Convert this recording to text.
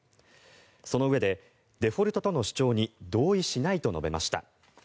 そのうえでデフォルトとの主張に同意しないと述べました。